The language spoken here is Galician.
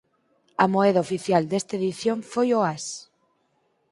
A moeda oficial desta edición foi o Ás.